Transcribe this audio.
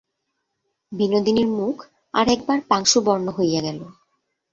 বিনোদিনীর মুখ আর-একবার পাংশুবর্ণ হইয়া গেল।